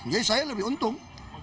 jadi saya lebih untung